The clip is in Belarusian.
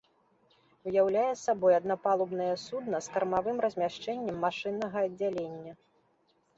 Уяўляе сабой аднапалубнае судна з кармавым размяшчэннем машыннага аддзялення.